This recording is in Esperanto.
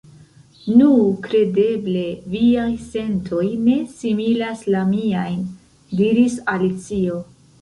"Nu, kredeble viaj sentoj ne similas la miajn," diris Alicio.